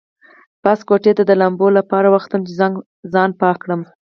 پاس کوټې ته د لامبو لپاره وختلم چې ځان پاک کړم.